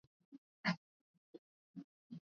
wengi zaidi ya misitu mingine duniani Ndani